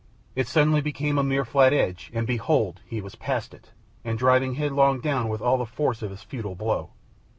It suddenly became a mere flat edge, and behold! he was past it, and driving headlong down with all the force of his futile blow.